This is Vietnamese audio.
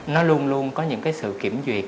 nó luôn luôn có những sự kiểm duyệt